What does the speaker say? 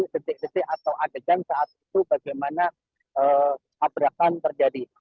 detik detik atau adegan saat itu bagaimana tabrakan terjadi